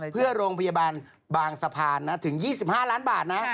เพื่อโรงพยาบาลบางสะพานนะถึง๒๕ล้านบาทนะ